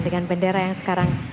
dengan bendera yang sekarang